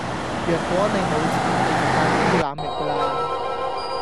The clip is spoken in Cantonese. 若果你冇錢你就界豬腩肉架啦